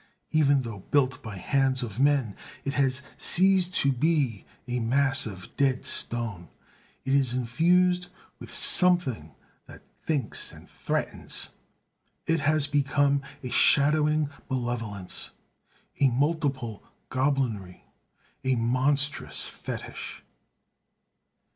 Even though built by hands of men, it has ceased to be a mass of dead stone: it is infused with Something that thinks and threatens; it has become a shadowing malevolence, a multiple goblinry, a monstrous fetish!